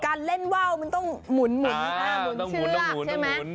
การเล่นว้าวมันต้องหมุนแต่งชื่อเหรอ